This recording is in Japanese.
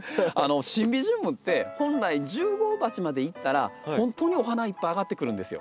シンビジウムって本来１０号鉢までいったら本当にお花いっぱいあがってくるんですよ。